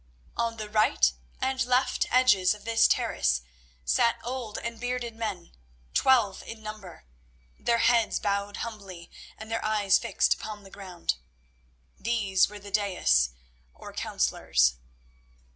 On the right and left edges of this terrace sat old and bearded men, twelve in number, their heads bowed humbly and their eyes fixed upon the ground. These were the daïs or councillors.